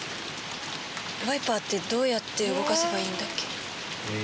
ワイパーってどうやって動かせばいいんだっけ。